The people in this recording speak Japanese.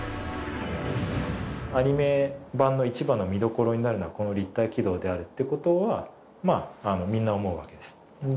アニメ版の一番の見どころになるのはこの立体機動であるってことはまあみんな思うわけです。